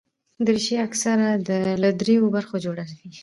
دریشي اکثره له درېو برخو جوړه وي.